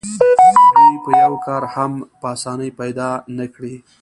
دوی به یو کار هم په اسانۍ پیدا نه کړي